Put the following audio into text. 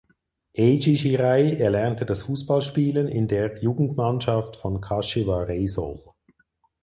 Eiji Shirai erlernte das Fußballspielen in der Jugendmannschaft von Kashiwa Reysol.